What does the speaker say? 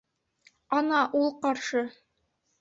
Ана ул ҡаршы.